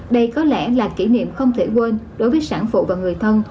đây có lẽ là kỷ niệm không thể quên đối với sản phụ và người thân